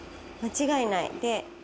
間違いない。